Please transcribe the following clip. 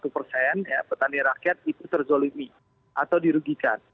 petani rakyat itu terzolimi atau dirugikan